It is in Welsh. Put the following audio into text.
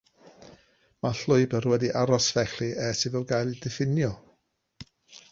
Mae'r llwybr wedi aros felly ers iddo gael ei ddiffinio.